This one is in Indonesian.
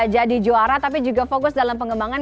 jadi juara tapi juga fokus dalam pengembangan